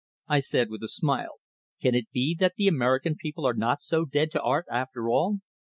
I said, with a smile, "Can it be that the American people are not so dead to art after all?"